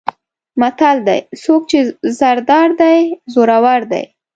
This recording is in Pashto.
متل دی: څوک چې زر دار دی زورور دی.